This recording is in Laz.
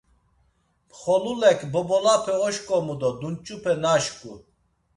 Mxolulek bobolape oşǩomu do dunç̌upe naşǩu.